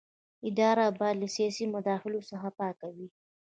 اداره باید له سیاسي مداخلو څخه پاکه وي.